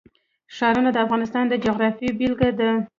ښارونه د افغانستان د جغرافیې بېلګه ده.